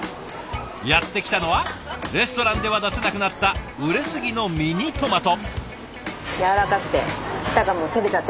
やって来たのはレストランでは出せなくなった熟れすぎのミニトマト。